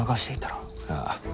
ああ。